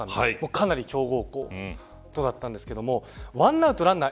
かなり強豪校だったんですけど１アウトランナー